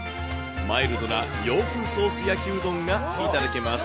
マイルドな洋風ソース焼きうどんが頂けます。